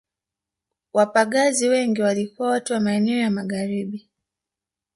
Wapagazi wengi walikuwa watu wa maeneo ya Magharibi